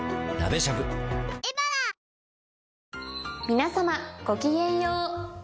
皆様ごきげんよう。